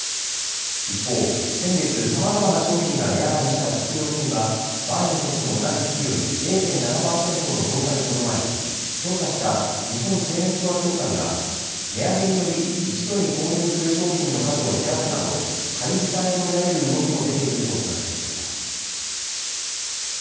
一方、先月さまざまな商品が値上がりした食料品は前の年の同じ月より０．７％の増加にとどまり調査した日本チェーンストア協会は値上げにより一度に購入する商品の数を減らすなど買い控えと見られる動きも出ているとコメントしています。